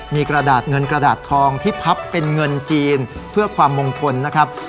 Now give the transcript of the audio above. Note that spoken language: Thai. มีกระดาษเงินกระดาษทองที่พับเป็นเงินจีนเพื่อความมงคลนะครับ